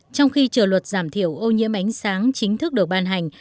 trong khi chờ luật giảm thiểu ô nhiễm ánh sáng chính thức được ban hành